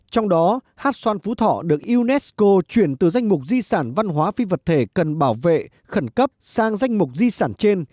trong đó hát xoan phú thọ được unesco chuyển từ danh mục di sản văn hóa phi vật thể cần bảo vệ khẩn cấp sang danh mục di sản trên